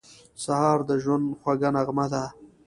سهار د ژوند خوږه نغمه ده.